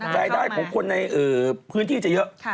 รายได้ของคนในพื้นที่จะเยอะ